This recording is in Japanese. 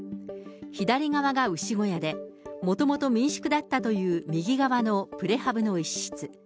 左側が牛小屋で、もともと民宿だったという右側のプレハブの一室。